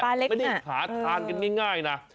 ไม่ได้หาทานกันง่ายนะ